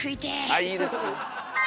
あっいいですね。